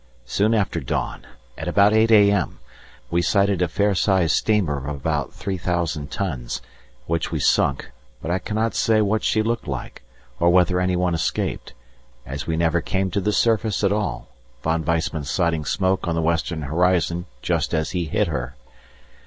Soon after dawn, at about 8 a.m., we sighted a fair sized steamer of about 3,000 tons, which we sunk, but I cannot say what she looked like, or whether anyone escaped, as we never came to the surface at all, Von Weissman sighting smoke on the western horizon just as he hit her.